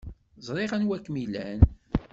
Ẓriɣ anwa kem-ilan.